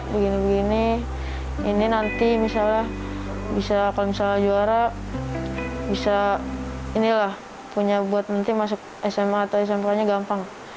begini begini ini nanti misalnya bisa kalau misalnya juara bisa inilah punya buat nanti masuk sma atau smk nya gampang